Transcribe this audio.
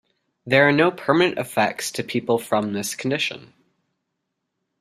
There are no permanent effects to people from this condition.